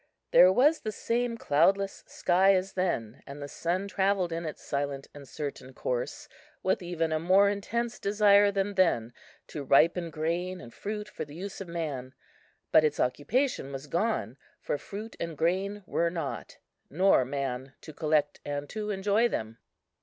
There was the same cloudless sky as then; and the sun travelled in its silent and certain course, with even a more intense desire than then to ripen grain and fruit for the use of man; but its occupation was gone, for fruit and grain were not, nor man to collect and to enjoy them.